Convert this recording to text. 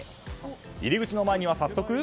入り口の前には早速。